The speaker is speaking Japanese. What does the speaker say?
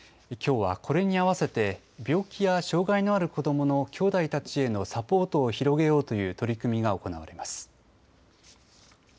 きょうはこれに合わせて、病気や障害のある子どものきょうだいたちへのサポートを広げようという取り組みが行われます。